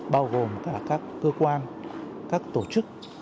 bao gồm cả các cơ quan các tổ chức